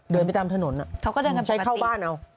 เดินไปตามถนนใช้เข้าบ้านเอา